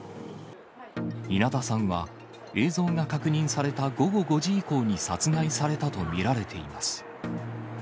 稲田さんは、映像が確認された午後５時以降に殺害されたと見られています。